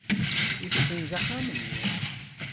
Yessenz axxam-nni?